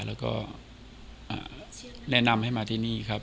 แล้วก็แนะนำให้มาที่นี่ครับ